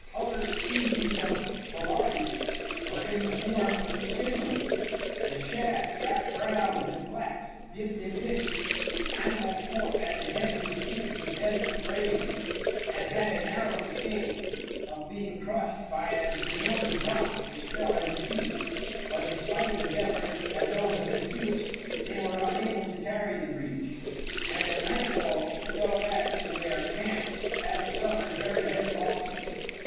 Other species of falariques were in the form of spindles, the shaft wrapped round with flax dipped in pitch. Hannibal fought at the head of his troops with desperate bravery, and had a narrow escape of being crushed by an enormous rock which fell at his feet; but in spite of his efforts and those of his troops they were unable to carry the breach, and at nightfall fell back to their camp, having suffered very heavy losses.